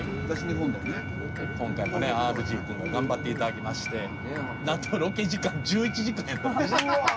今回もねＲＧ君には頑張って頂きましてなんとロケ時間１１時間やってました。